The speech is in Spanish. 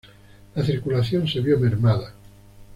La circulación se vio mermada.